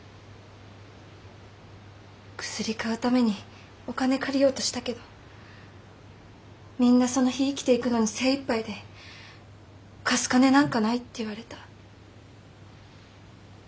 薬買うためにお金借りようとしたけどみんなその日生きていくのに精いっぱいで貸す金なんかないって言われた。